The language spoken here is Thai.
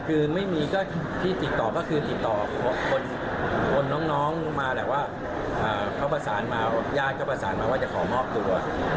คือไม่มีก็ที่ติดต่อก็คือติดต่อคนน้องมาแหละว่าเขาประสานมาญาติก็ประสานมาว่าจะขอมอบตัว